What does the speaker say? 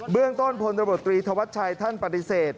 เบื้องต้นพรทวัชชัยท่านปฏิเสธ